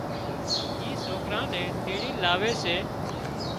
اي سوڪران نين تيڙين لاوي سي۔